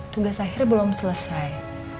tugas akhir belum selesai